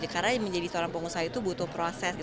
karena menjadi seorang pengusaha itu butuh proses